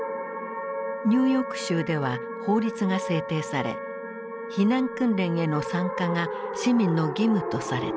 ニューヨーク州では法律が制定され避難訓練への参加が市民の義務とされた。